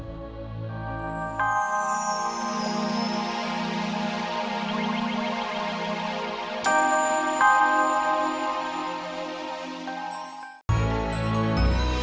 saya juga gak peybama